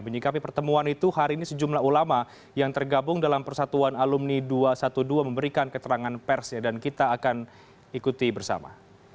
menyikapi pertemuan itu hari ini sejumlah ulama yang tergabung dalam persatuan alumni dua ratus dua belas memberikan keterangan pers dan kita akan ikuti bersama